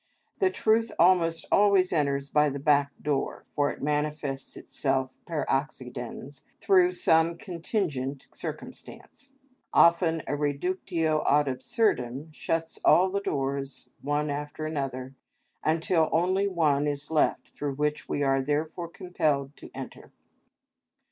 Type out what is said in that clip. The truth almost always enters by the back door, for it manifests itself per accidens through some contingent circumstance. Often a reductio ad absurdum shuts all the doors one after another, until only one is left through which we are therefore compelled to enter.